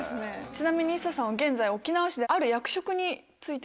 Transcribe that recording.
ちなみにＩＳＳＡさんは現在沖縄市である役職に就いている。